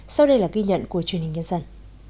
sau đây là ghi nhận của truyền hình nhân dân